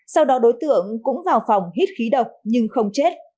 sau đó đối tượng cũng vào phòng hít khí độc nhưng không chết